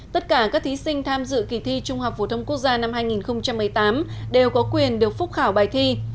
tất cả các thí sinh tham dự kỳ thi trung học phổ thông quốc gia năm hai nghìn một mươi tám đều có quyền được phúc khảo bài thi